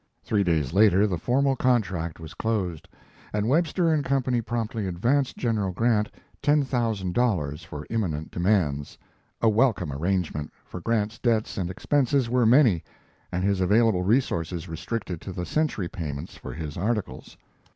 Three days later the formal contract was closed, and Webster & Co. promptly advanced. General Grant ten thousand dollars for imminent demands, a welcome arrangement, for Grant's debts and expenses were many, and his available resources restricted to the Century payments for his articles.